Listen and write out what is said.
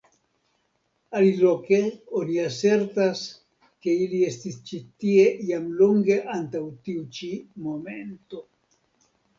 Aliloke oni asertas, ke ili estis ĉi tie jam longe antaŭ tiu ĉi momento.